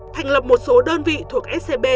thành lập một số đơn vị thuộc scb